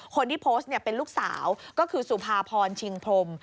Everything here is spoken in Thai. คนที่โพสต์เป็นลูกสาวก็คือสุภาพรชิงพรม